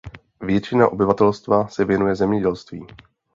Většina obyvatelstva se věnuje zemědělství.